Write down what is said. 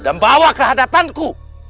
dan bawa ke hadapanku